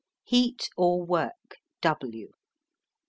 HEAT OR WORK W.